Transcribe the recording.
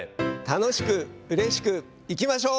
楽しくうれしくいきましょう。